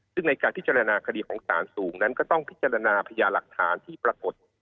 ซึ่งในการพิจารณาคดีของสารสูงนั้นก็ต้องพิจารณาพญาหลักฐานที่ปรากฏ